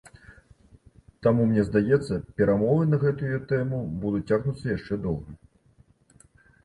Таму, мне здаецца, перамовы на гэтую тэму будуць цягнуцца яшчэ доўга.